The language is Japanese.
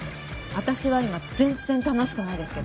私は今全然楽しくないですけど。